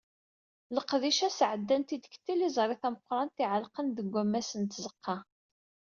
Leqdic-a, sɛeddan-t-id deg tiliẓri tameqqrant i iɛellqen deg wammas n tzeqqa.